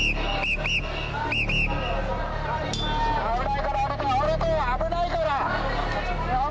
危ないから降りて、危ないから。